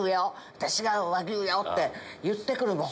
私が和牛よって言ってくるもん。